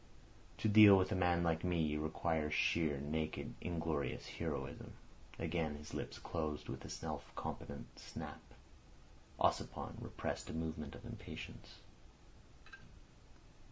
To deal with a man like me you require sheer, naked, inglorious heroism." Again his lips closed with a self confident snap. Ossipon repressed a movement of impatience.